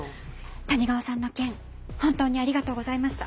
谷川さんの件本当にありがとうございました。